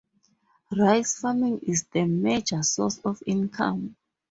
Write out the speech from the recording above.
Rice farming is the major source of income.